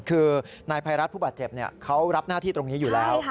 คือนายภัยรัฐผู้บาดเจ็บเขารับหน้าที่ตรงนี้อยู่แล้ว